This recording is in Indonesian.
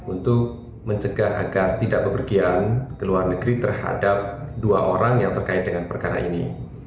untuk mencegah agar tidak bepergian ke luar negeri terhadap dua orang yang terkait dengan perkara ini